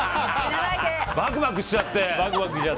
バクバクしちゃって。